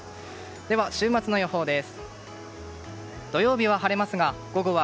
では、週末の予報です。